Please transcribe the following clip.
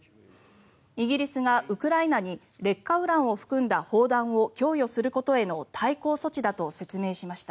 イギリスがウクライナに劣化ウランを含んだ砲弾を供与することへの対抗措置だと説明しました。